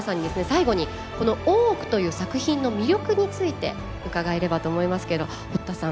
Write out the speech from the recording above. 最後にこの「大奥」という作品の魅力について伺えればと思いますけれど堀田さん。